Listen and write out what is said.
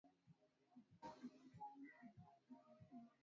Usimamizi mzuri wa mfumo wa kodi